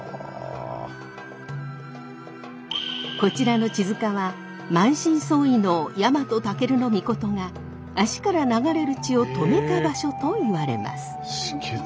こちらの血塚は満身創痍の日本武尊が足から流れる血を止めた場所といわれます。